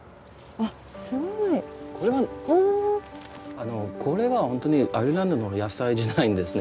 あのこれは本当アイルランドの野菜じゃないんですね。